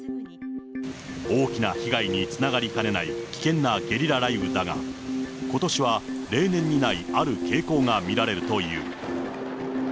大きな被害につながりかねない危険なゲリラ雷雨だが、ことしは例年にない、ある傾向が見られるという。